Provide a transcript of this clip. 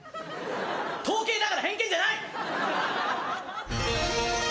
統計だから偏見じゃない！